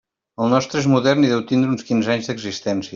El nostre és modern i deu tindre uns quinze anys d'existència.